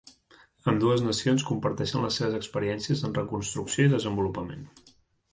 Ambdues nacions comparteixen les seves experiències en reconstrucció i desenvolupament.